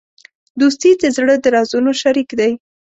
دوستي د زړه د رازونو شریک دی.